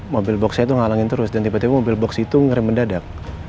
mobil boxnya itu ngalangin terus dan tiba tiba mobil box itu ngereme dadak